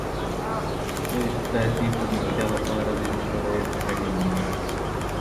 د اقتصادي پرمختيا لپاره ځينې شرايط اړين دي.